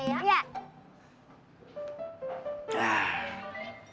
kulang tahun orang itu masih